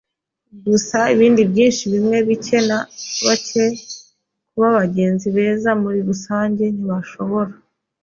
gusa ibindi byinshi, bimwe bike; na bake, kuba bagenzi beza muri rusange, ntibashobora